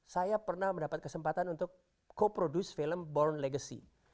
saya pernah mendapat kesempatan untuk co produce film born legacy